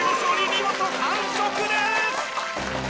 見事完食です！